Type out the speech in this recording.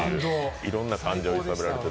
いろんな感情揺さぶられてる。